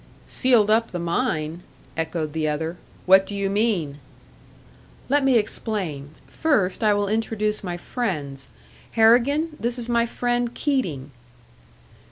"Sealed up the mine?" echoed the other. "What do you mean?" "Let me explain. First, I will introduce my friends. Harrigan, this is my friend Keating."